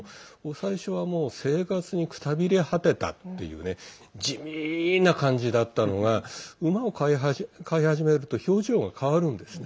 最初は生活にくたびれ果てたっていう地味な感じだったのが馬を飼い始めると表情が変わるんですね。